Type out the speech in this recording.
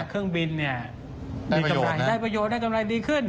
เครื่องบินได้ประโยชน์และได้กำไรดีขึ้น